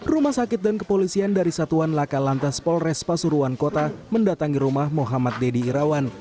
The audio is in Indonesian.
rumah sakit dan kepolisian dari satuan laka lantas polres pasuruan kota mendatangi rumah muhammad deddy irawan